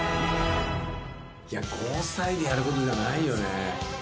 いや５歳でやることじゃないよね。